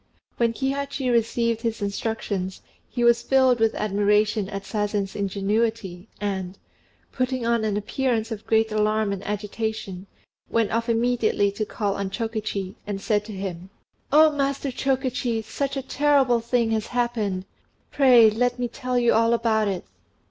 When Kihachi received his instructions, he was filled with admiration at Sazen's ingenuity, and, putting on an appearance of great alarm and agitation, went off immediately to call on Chokichi, and said to him "Oh, Master Chokichi, such a terrible thing has happened! Pray, let me tell you all about it."